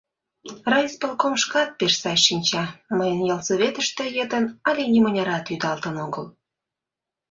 Райисполком шкат пеш сай шинча: мыйын ялсоветыште йытын але нимынярат ӱдалтын огыл.